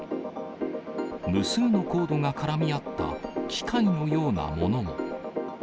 無数のコードが絡み合った、機械のようなものも。